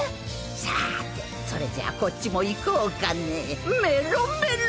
さてそれじゃこっちもいこうかねメロメロ！